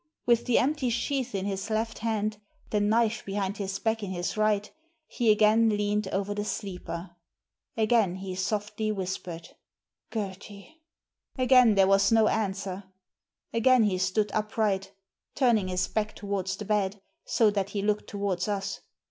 With the empty sheath in his left hand, the knife behind his back . in his right, he again leaned over the sleeper. Again he softly whispered, "Gerty!" Digitized by VjOOQIC THE HOUSEBOAT 287 Again there was no answer. Again he stood up right, turning his back towards the bed, so that he looked towards us.